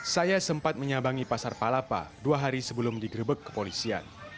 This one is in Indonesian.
saya sempat menyambangi pasar palapa dua hari sebelum digrebek kepolisian